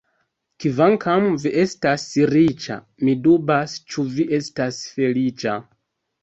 Kvankam vi estas riĉa, mi dubas, ĉu vi estas feliĉa.